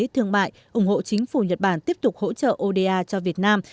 thương mại ủng hộ chính phủ nhật bản tiếp tục hỗ trợ oda cho việt nam